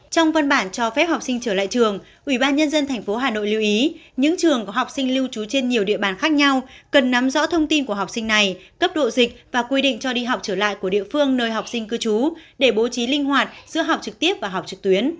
trong văn bản cho phép học sinh trở lại trường ubnd tp hà nội lưu ý những trường có học sinh lưu trú trên nhiều địa bàn khác nhau cần nắm rõ thông tin của học sinh này cấp độ dịch và quy định cho đi học trở lại của địa phương nơi học sinh cư trú để bố trí linh hoạt giữa học trực tiếp và học trực tuyến